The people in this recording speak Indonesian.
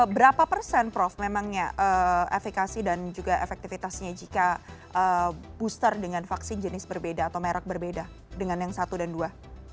berapa persen prof memangnya efekasi dan juga efektivitasnya jika booster dengan vaksin jenis berbeda atau merek berbeda dengan yang satu dan dua